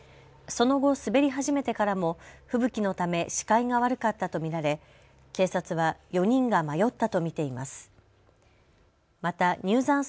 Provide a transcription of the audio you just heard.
その後、滑り始めてからも吹雪のため視界が悪かったと見られ警察は４人が迷ったと見ています。